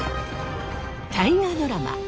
大河ドラマ